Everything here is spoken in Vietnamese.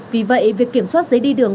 vì vậy việc kiểm soát giấy đi đường